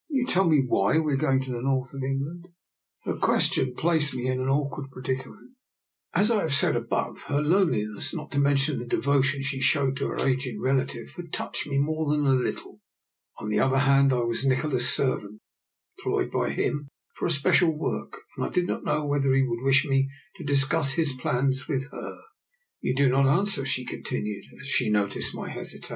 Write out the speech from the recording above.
Will you tell me why we are going to the North of England? " Her question placed me in an awkward predicament. As I have said above, her loneliness, not to mention the devotion she showed to her aged relative, had touched me more than a little. On the other hand, I was Nikola's servant, employed by him for a special work, and I did not know whether he would wish me to discuss his plans with her. 90 DR. NIKOLA'S EXPERIMENT. " You do not answer/' she continued as she noticed my hesitation.